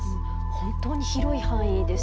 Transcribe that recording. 本当に広い範囲ですよね。